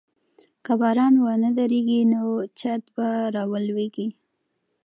که باران ونه دريږي نو چت به راولوېږي.